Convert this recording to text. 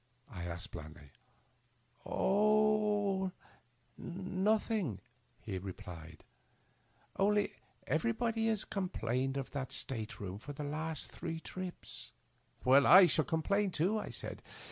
" I afiked, blandly, " Oh — nothing," he answered ;" only everybody has complained of that state room for the last three trips." " I shall complain too," I said.